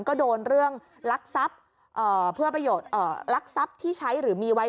ก็โดนเรื่องลักษัพที่ใช้หรือมีไว้